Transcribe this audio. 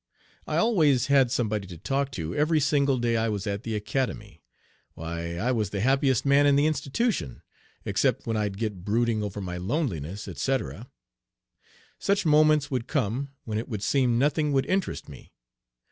I always had somebody to talk to every single day I was at the Academy. Why, I was the happiest man in the institution, except when I'd get brooding over my loneliness, etc. Such moments would come, when it would seem nothing would interest me.